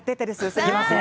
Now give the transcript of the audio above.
すみません。